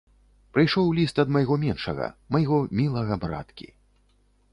Прыйшоў ліст ад майго меншага, майго мілага браткі.